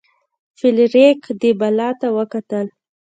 فلیریک دې بلا ته وکتل.